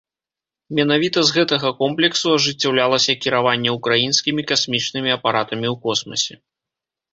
Менавіта з гэтага комплексу ажыццяўлялася кіраванне украінскімі касмічнымі апаратамі ў космасе.